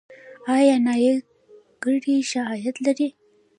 آیا نایي ګري ښه عاید لري؟